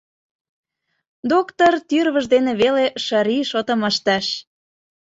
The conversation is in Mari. Доктыр тӱрвыж дене веле шыри шотым ыштыш.